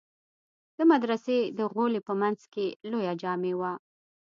د مدرسې د غولي په منځ کښې لويه جامع وه.